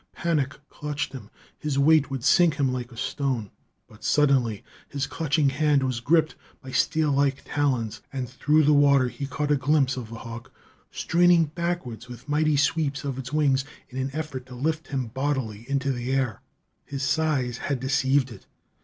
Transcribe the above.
Panic clutched him; his weight would sink him like a stone. But suddenly his clutching hand was gripped by steel like talons, and through the water he caught a glimpse of the hawk straining backwards with mighty sweeps of its wings in an effort to lift him bodily into the air. His size had deceived it.